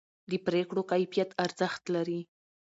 د پرېکړو کیفیت ارزښت لري